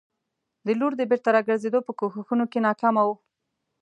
د لور د بېرته راګرزېدو په کوښښونو کې ناکامه وو.